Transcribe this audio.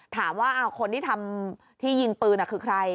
ถามว่าคนที่ทำที่ยิงปืนคือใคร